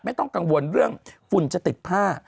ไม่ต้องกังวลเรื่องฝุ่นจะติดผ้า